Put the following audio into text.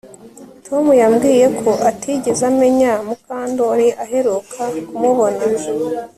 Tom yambwiye ko atigeze amenya Mukandoli aheruka kumubona